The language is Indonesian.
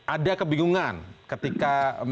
ada kebingungan ketika